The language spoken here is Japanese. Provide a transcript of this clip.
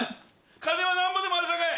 金はなんぼでもあるさかい